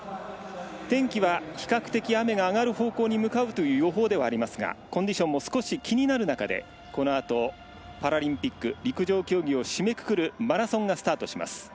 天気は比較的、雨が上がる方向に向かうという予報ではありますがコンディションも少し気になる中でこのあとパラリンピック陸上競技を締めくくるマラソンがスタートします。